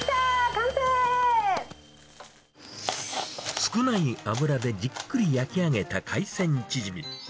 少ない油でじっくり焼き上げた海鮮チヂミ。